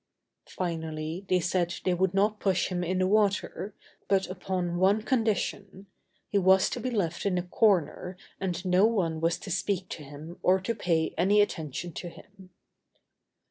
Finally, they said they would not push him in the water, but upon one condition; he was to be left in a corner and no one was to speak to him or to pay any attention to him.